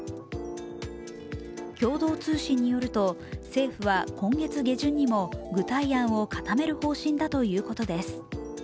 共同通信によると政府は今月下旬にも具体案を固める方針だということです。